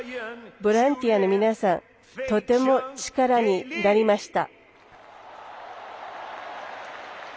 ボランティアの皆さんとても力になりました。